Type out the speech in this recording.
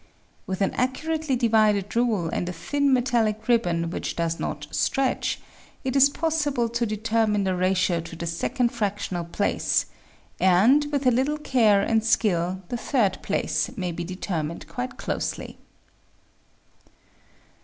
With an accurately divided rule and a thin metallic ribbon which does not stretch, it is possible to determine the ratio to the second fractional place, and with a little care and skill the third place may be determined quite closely.